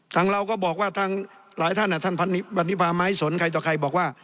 ทางเราก็บอกว่าทางหลายท่านท่านบรรทิพาไม้สนใครต่อใครบอกว่า